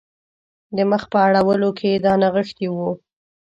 د مخ په اړولو کې یې دا نغښتي وو.